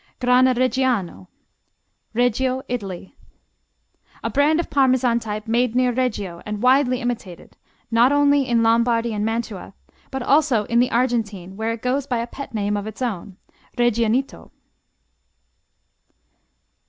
Grana Reggiano Reggio, Italy A brand of Parmesan type made near Reggio and widely imitated, not only in Lombardy and Mantua, but also in the Argentine where it goes by a pet name of its own Regianito.